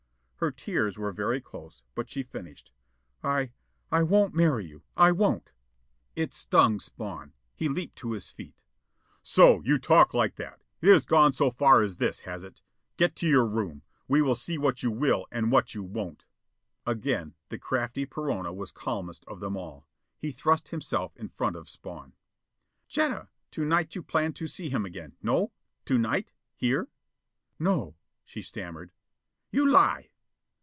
Her tears were very close, but she finished: "I I won't marry you. I won't!" It stung Spawn. He leaped to his feet. "So you talk like that! It has gone so far as this, has it? Get to your room! We will see what you will and what you won't!" Again the crafty Perona was calmest of them all. He thrust himself in front of Spawn. "Jetta, to night you plan to see him again, no? To night? here?" "No," she stammered. "You lie!"